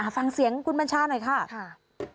ฟังเสียงคุณบัญชาหน่อยค่ะ